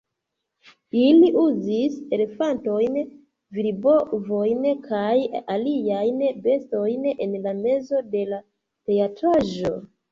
Ili uzis elefantojn, virbovojn kaj aliajn bestojn en la mezo de la teatraĵo